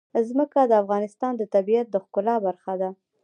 ځمکه د افغانستان د طبیعت د ښکلا برخه ده.